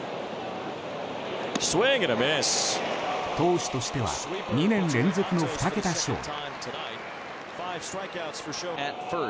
投手としては２年連続の２桁勝利。